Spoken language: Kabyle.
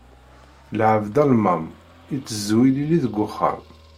Lɛebd alemmam, iteẓẓu ilili deg uxxam.